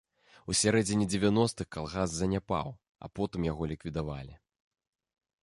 У сярэдзіне дзевяностых калгас заняпаў, а потым яго ліквідавалі.